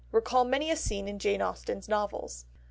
recall many a scene in Jane Austen's novels.